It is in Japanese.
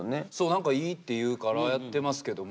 何かいいっていうからやってますけども。